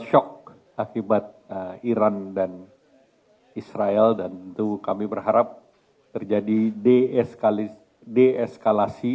shock akibat iran dan israel dan tentu kami berharap terjadi deeskalasi